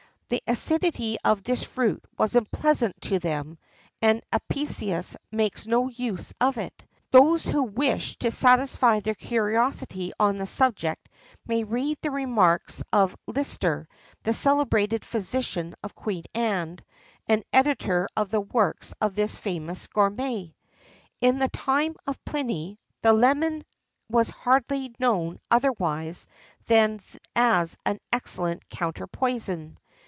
The acidity of this fruit was unpleasant to them, and Apicius makes no use of it: those who wish to satisfy their curiosity on the subject may read the remarks of Lister, the celebrated physician of Queen Anne, and editor of the works of this famous gourmet.[XIII 31] In the time of Pliny, the lemon was hardly known otherwise than as an excellent counter poison.